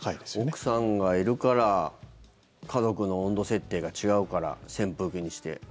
奥さんがいるから家族の温度設定が違うから扇風機にして。